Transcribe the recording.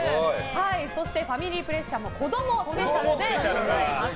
そしてファミリープレッシャーも子どもスペシャルでございます。